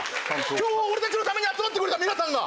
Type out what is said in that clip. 今日俺たちのために集まってくれた皆さんが。